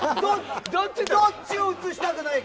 どっちを映したくないか。